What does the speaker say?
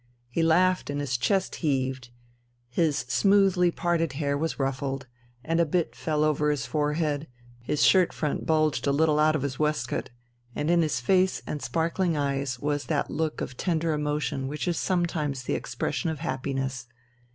He laughed and his chest heaved. His smoothly parted hair was ruffled, and a bit fell over his forehead, his shirt front bulged a little out of his waistcoat, and in his face and sparkling eyes was that look of tender emotion which is sometimes the expression of happiness.